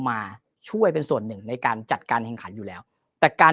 มาช่วยเป็นส่วนหนึ่งในการจัดการแข่งขันอยู่แล้วแต่การ